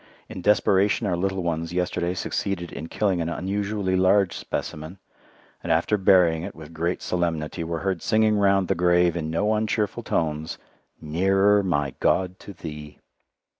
In desperation our little ones yesterday succeeded in killing an unusually large specimen, and after burying it with great solemnity were heard singing around the grave in no uncheerful tones, "Nearer, my God, to Thee."